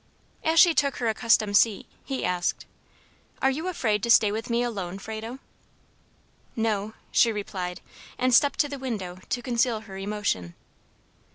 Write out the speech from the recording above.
As she took her accustomed seat, he asked, "Are you afraid to stay with me alone, Frado?" "No," she replied, and stepped to the window to conceal her emotion.